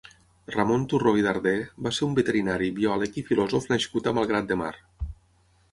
Ramon Turró i Darder va ser un veterinari, biòleg i filòsof nascut a Malgrat de Mar.